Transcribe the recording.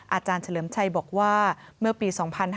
อาจารย์เฉลิมชัยบอกว่าเมื่อปี๒๕๕๙